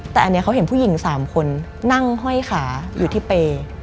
แต่อันนี้เขาเห็นผู้หญิง๓คนนั่งห้อยขาอยู่ที่เปย์